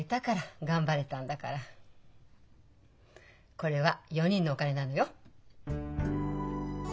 これは４人のお金なのよ。